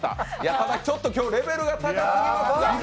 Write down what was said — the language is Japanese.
ただ、ちょっと今日、レベルが高すぎます。